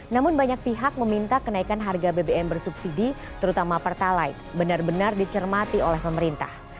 namun banyak pihak meminta kenaikan harga bbm bersubsidi terutama pertalite benar benar dicermati oleh pemerintah